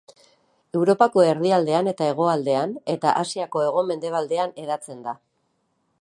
Europako erdialdean eta hegoaldean eta Asiako hego-mendebaldean hedatzen da.